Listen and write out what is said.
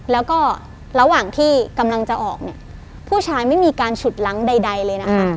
แล้วก็ระหว่างที่กำลังจะออกเนี่ยผู้ชายไม่มีการฉุดล้างใดเลยนะคะ